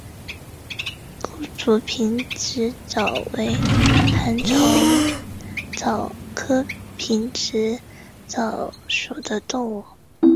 钩足平直蚤为盘肠蚤科平直蚤属的动物。